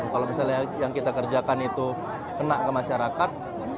kalau misalnya yang kita kerjakan itu kena ke masyarakat